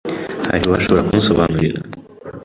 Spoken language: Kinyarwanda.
Hari uwashobora kunsobanurira?